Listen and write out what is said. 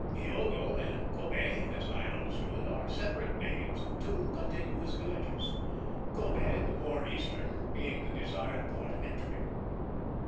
Hiogo and Kobé, as I understood, are separate names of two continuous villages; Kobé, the more eastern, being the destined port of entry.